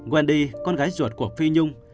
wendy con gái chuột của phi nhung